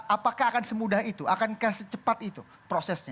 apakah akan semudah itu akankah secepat itu prosesnya